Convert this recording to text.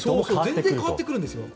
全然変わってくるんですよ。